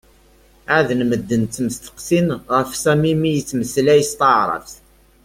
ɛaden medden ttmesteqsin ɣef Sami mi yettmeslay s taεrabt.